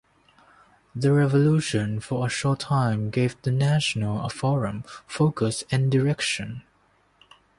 "The Revolution" for a short time gave the National a forum, focus and direction.